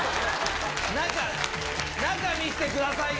中、中、見せてくださいよ。